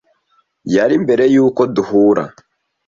yari mbere yuko duhura